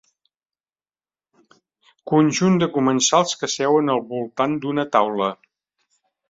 Conjunt de comensals que seuen al voltant d'una taula.